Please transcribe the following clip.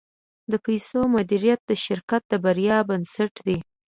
د پیسو مدیریت د شرکت د بریا بنسټ دی.